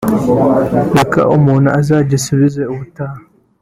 reka umuntu azagisubize ubutaha